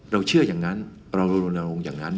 เชื่ออย่างนั้นเรารณรงค์อย่างนั้น